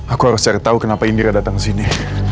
aku harus cari tahu kenapa indira datang ke sini